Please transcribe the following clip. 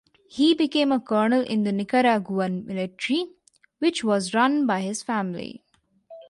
He became a Colonel in the Nicaraguan military, which was run by his family.